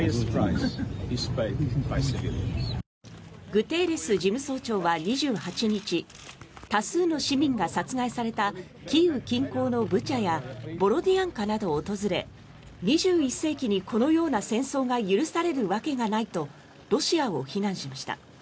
グテーレス事務総長は２８日多数の市民が殺害されたキーウ近郊のブチャやボロディアンカなどを訪れ２１世紀にこのような戦争が許されるわけがないとロシアを非難しました。